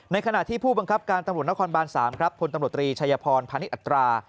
ขณะที่ผู้บังคับการตำรวจนครบาน๓ครับพลตำรวจตรีชัยพรพาณิชอัตรา